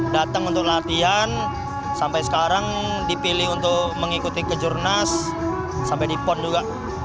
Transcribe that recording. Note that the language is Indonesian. datang untuk latihan sampai sekarang dipilih untuk mengikuti kejurnas sampai di pon juga